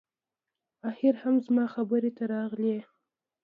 اخیر هم زما خبرې ته راغلې